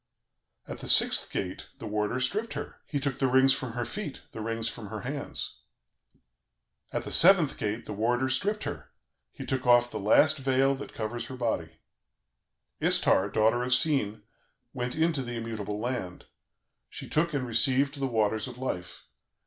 "At the sixth gate, the warder stripped her; he took the rings from her feet, the rings from her hands. "At the seventh gate, the warder stripped her; he took off the last veil that covers her body. "Istar, daughter of Sin, went into the immutable land, she took and received the Waters of Life.